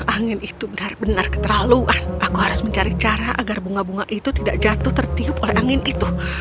angin itu benar benar keterlaluan aku harus mencari cara agar bunga bunga itu tidak jatuh tertiup oleh angin itu